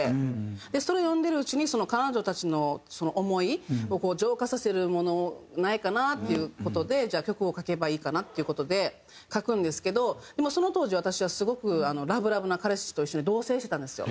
それ読んでるうちに彼女たちのその思いを浄化させるものないかな？っていう事でじゃあ曲を書けばいいかなっていう事で書くんですけどでもその当時私はすごくラブラブな彼氏と一緒に同棲してたんですよ。